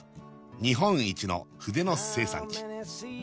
日本一の筆の生産地